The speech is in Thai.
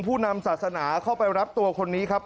ผู้นำศาสนาเข้าไปรับตัวคนนี้ครับ